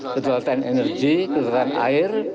keselelatan energi keselelatan air